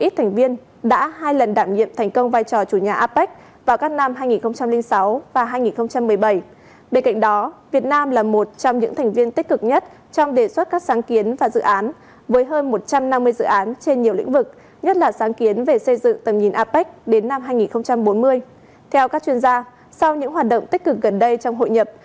theo các chuyên gia sau những hoạt động tích cực gần đây trong hội nhập